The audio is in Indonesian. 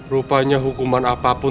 rupanya hukuman apapun